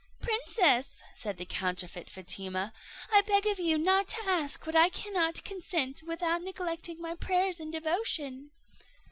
"Princess," said the counterfeit Fatima, "I beg of you not to ask what I cannot consent to without neglecting my prayers and devotion."